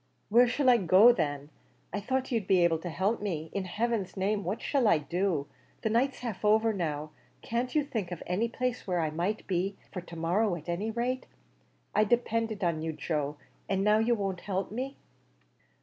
"Where shall I go then? I thought you'd be able to help me. In heaven's name, what shall I do? the night's half over now; can't you think of any place where I might be, for to morrow at any rate? I depended on you, Joe, and now you won't help me."